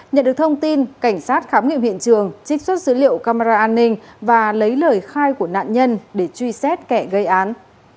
nhận được thông tin cảnh sát khám nghiệm hiện trường trích xuất dữ liệu camera an ninh và lấy lời khai của nạn nhân để truy xét kẻ gây án